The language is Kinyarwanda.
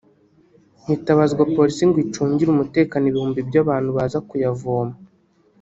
hitabazwa Polisi ngo icungire umutekano ibihumbi by’abantu baza kuyavoma